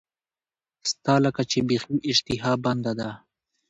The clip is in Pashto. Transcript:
ستا لکه چې بیخي اشتها بنده ده.